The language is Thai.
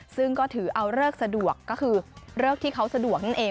ซึ่งก็ถือเอาเลิกสะดวกก็คือเลิกที่เขาสะดวกนั่นเอง